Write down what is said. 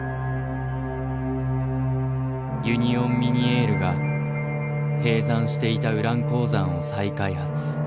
ユニオン・ミニエールが閉山していたウラン鉱山を再開発。